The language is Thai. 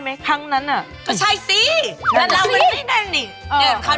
ไปเที่ยวด้วย